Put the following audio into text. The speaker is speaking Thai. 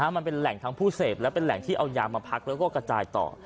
มันเป็นแหล่งทั้งผู้เสพและเป็นแหล่งที่เอายามาพักแล้วก็กระจายต่อ